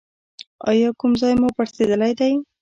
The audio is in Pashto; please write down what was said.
ایا کوم ځای مو پړسیدلی دی؟